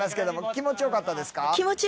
気持ちよかったですか？